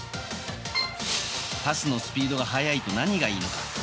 パスのスピードが速いと何がいいのか。